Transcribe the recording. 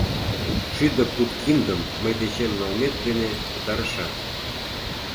Шӱдӧ пуд киндым мый дечем налмет дене пытарышат.